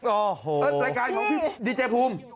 โอ้โฮพี่รายการของพี่ดีเจภูมิ